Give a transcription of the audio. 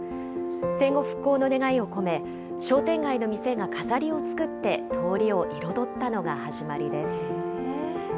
戦後復興の願いを込め、商店街の店が飾りを作って通りを彩ったのが始まりです。